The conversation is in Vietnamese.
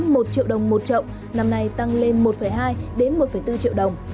giá bán một triệu đồng một trộm năm nay tăng lên một hai đến một bốn triệu đồng